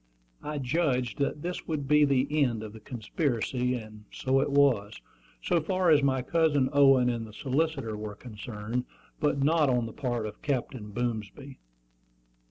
I judged that this would be the end of the conspiracy; and so it was, so far as my cousin Owen and the solicitor were concerned, but not on the part of Captain Boomsby.